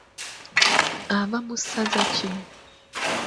Ava mu ssaza ki?